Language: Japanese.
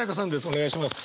お願いします。